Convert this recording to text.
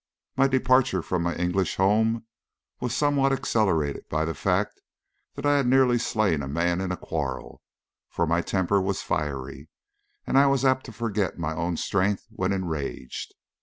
My departure from my English home was somewhat accelerated by the fact that I had nearly slain a man in a quarrel, for my temper was fiery, and I was apt to forget my own strength when enraged.